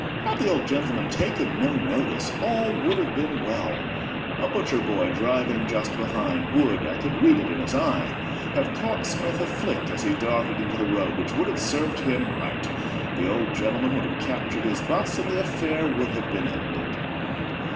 Had the old gentleman taken no notice, all would have been well. A butcher boy, driving just behind, would—I could read it in his eye—have caught Smith a flick as he darted into the road, which would have served him right; the old gentleman would have captured his bus; and the affair would have been ended.